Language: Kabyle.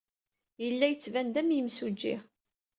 Yella yettban-d am yimsujji?